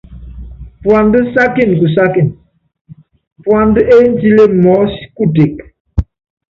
Puandá sákíni kusákíni, puandá ényítilé mɔɔ́sí kuteke.